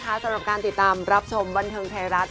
สำหรับการติดตามรับชมบันเทิงไทยรัฐ